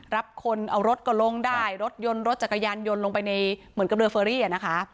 รับคนเอารถก็ลงได้รถยนต์รถจักรยานยนต์ลงไปในเหมือนกับเรือเฟอรี่อ่ะนะคะ